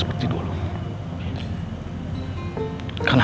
kamu suka seterbang banget